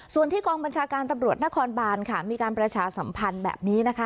ส่วนที่กองบัญชาการตำรวจนครบานค่ะมีการประชาสัมพันธ์แบบนี้นะคะ